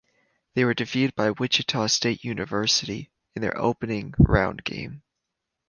They were defeated by Wichita State University in their opening round game.